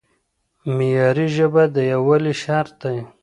معیاري ژبه د یووالي شرط دی.